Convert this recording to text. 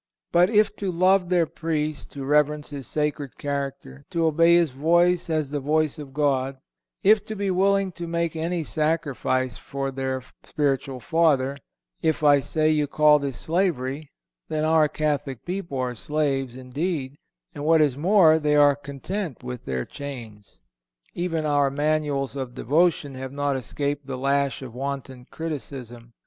But if to love their Priest, to reverence his sacred character, to obey his voice as the voice of God; if to be willing to make any sacrifice for their spiritual father; if, I say, you call this slavery, then our Catholic people are slaves, indeed, and, what is more, they are content with their chains. Even our Manuals of Devotion have not escaped the lash of wanton criticism.